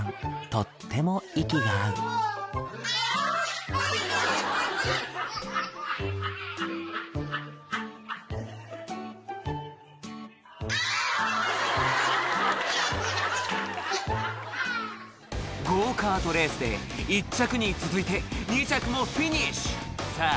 とっても息が合うゴーカートレースで１着に続いて２着もフィニッシュさぁ